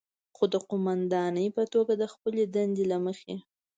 خو د قوماندانې په توګه د خپلې دندې له مخې،